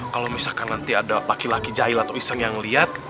kalau misalkan nanti ada laki laki jahil atau iseng yang lihat